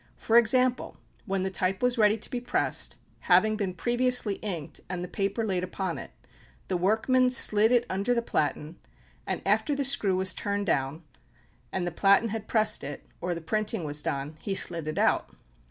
For example, when the type was ready to be pressed, having been previously inked, and the paper laid upon it, the workman slid it under the platen; and after the screw was turned down, and the platen had pressed it, or the printing was done, he slid it out.